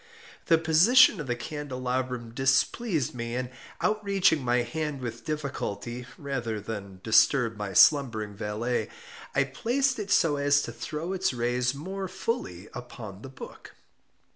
The position of the candelabrum displeased me, and outreaching my hand with difficulty, rather than disturb my slumbering valet, I placed it so as to throw its rays more fully upon the book.